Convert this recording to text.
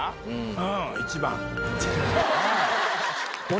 うん１番。